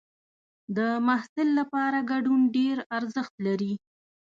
د محصل لپاره ګډون ډېر ارزښت لري.